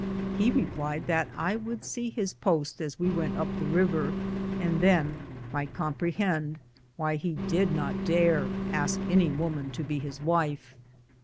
He replied that I would see his post as we w^ent up the river, and then might comprehend why he did not dare ask any woman to be his wife.